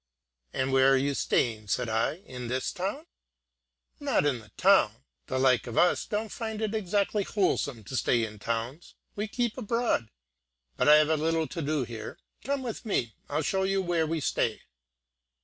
"And where are you staying?" said I: "in this town?" "Not in the town; the like of us don't find it exactly wholesome to stay in towns: we keep abroad. But I have little to do here come with me, and I'll show you where we stay."